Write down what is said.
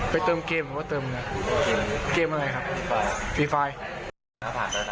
ไปเติมเกมหรือว่าเติมเกมอะไรครับ